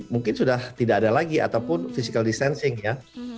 mungkin sudah tidak ada lagi ataupun physical distancing ya